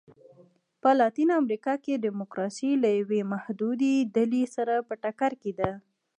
په لاتینه امریکا کې ډیموکراسي له یوې محدودې ډلې سره په ټکر کې ده.